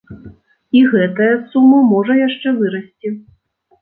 І гэтая сума можа яшчэ вырасці.